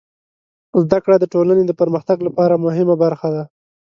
زدهکړه د ټولنې د پرمختګ لپاره مهمه برخه ده.